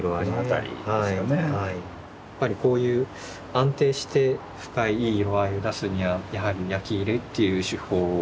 やっぱりこういう安定して深いいい色合いを出すにはやはり焼き入れっていう手法を活用するのも。